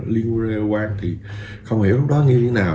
liên quân lê quang thì không hiểu lúc đó như thế nào